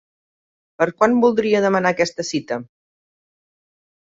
Per quan voldria demanar aquesta cita?